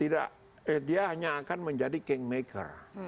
dia hanya akan menjadi king maker